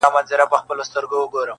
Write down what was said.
• ایبنه دي نه کړمه بنګړی دي نه کړم..